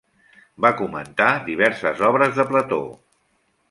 Va comentar diverses obres de Plató.